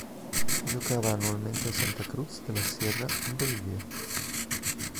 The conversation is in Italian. Si giocava annualmente a Santa Cruz de la Sierra in Bolivia.